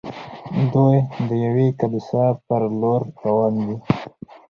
دوی د یوې کلیسا پر لور روان دي.